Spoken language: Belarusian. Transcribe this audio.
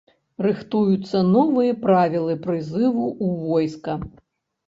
Рыхтуюцца новыя правілы прызыву ў войска.